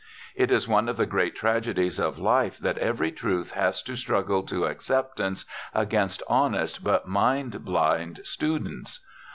It is one of the great tragedies of life that every truth has to struggle to acceptance against honest but mind blind students.